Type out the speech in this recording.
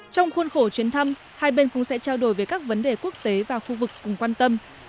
trong khuôn khổ chuyến thăm hai bên cũng sẽ trao đổi về các vấn đề quốc tế và khu vực cùng quan tâm